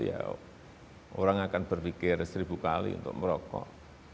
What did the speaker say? kita semuanya gencar melakukan itu ya orang akan berpikir seribu kali untuk merokok